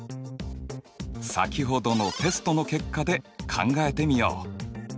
先ほどのテストの結果で考えてみよう。